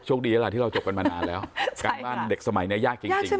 ช่วงดีแหละที่เราจบกันมานานแล้วใช่ค่ะการบ้านเด็กสมัยเนี้ยยากจริงจริง